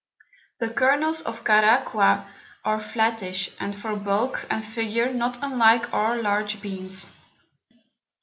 The Kernels of Caraqua are flattish, and for Bulk and Figure not unlike our large Beans.